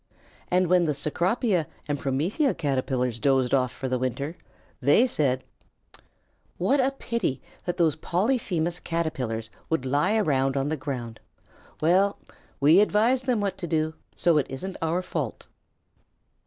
And when the Cecropia and Promethea Caterpillars dozed off for the winter, they said: "What a pity that those Polyphemus Caterpillars would lie around on the ground. Well, we advised them what to do, so it isn't our fault."